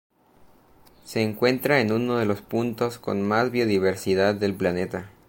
Se encuentra en uno de los puntos con más Biodiversidad del planeta.